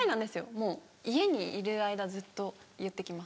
もう家にいる間ずっと言って来ます。